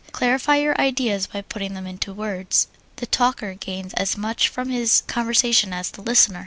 Clarify your ideas by putting them in words; the talker gains as much from his conversation as the listener.